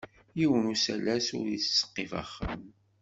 Yiwen usalas ur ittseqqif axxam.